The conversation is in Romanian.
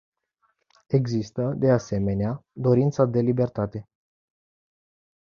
Există, de asemenea, dorința de libertate.